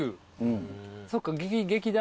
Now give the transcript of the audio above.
そっか劇団。